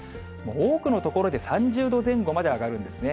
多くの所で３０度前後まで上がるんですね。